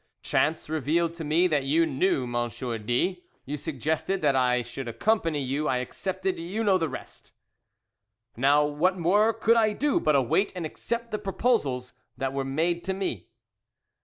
"Chance revealed to me that you knew M. D , you suggested that I should accompany you. I accepted, you know the rest." "Now, what more could I do but await and accept the proposals that were made to me?"